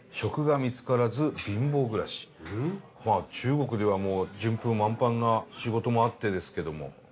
まあ中国ではもう順風満帆な仕事もあってですけども。